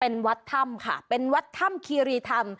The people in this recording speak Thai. เป็นวัดธรรมค่ะเป็นวัดธรรมคีรีธรรม